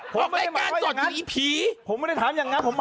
ก็ไม่ต้องปล